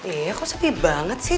iya kok sepi banget sih